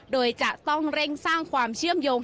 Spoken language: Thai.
โดยจะต้องเร่งสร้างความเชื่อมโยง